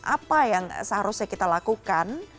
apa yang seharusnya kita lakukan